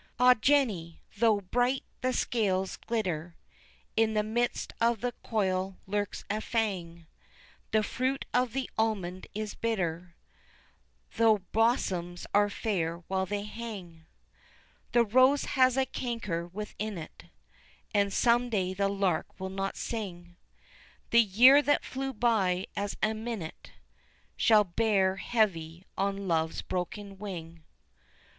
Ah! Jenny! though bright the scales glitter, In the midst of the coil lurks a fang, The fruit of the almond is bitter Though the blossoms are fair while they hang; The rose has a canker within it, And some day the lark will not sing, The year that flew by as a minute Shall bear heavy on Love's broken wing.